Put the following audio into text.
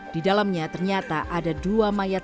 di dalamnya ternyata ada dua mayat